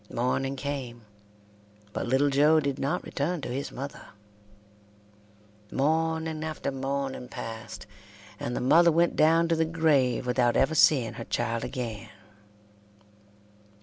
Morning came, but little Joe did not return to his mother. Morning after morning passed, and the mother went down to the grave without ever seeing her child again.